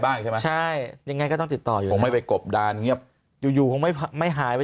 บ้างใช่ยังไงก็ต้องติดต่ออยู่ไม่ไปกบดานอยู่ไม่หายไป